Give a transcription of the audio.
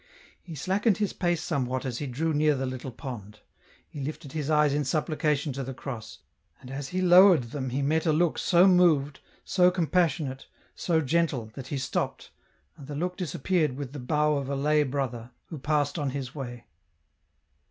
He slackened his pace somewhat as he drew near the little pond ; he lifted his eyes in supplication to the cross, and as he lowered them he met a look so moved, so compassionate, so gentle, that he stopped, and the look disappeared with the bow of a lay brother, who passed on his way.